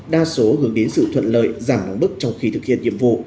đa số hướng đến sự thuận lợi giảm nắng bức trong khi thực hiện nhiệm vụ